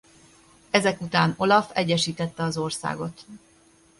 Ezek után Olaf egyesítette az országot.